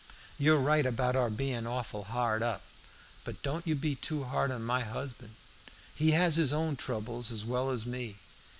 You're right about our being awful hard up. But don't you be too hard on my husband. He has his own troubles as well as me.